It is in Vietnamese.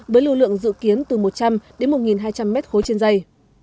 với lưu lượng dự kiến từ một trăm linh đến một hai trăm linh mét khối trên dây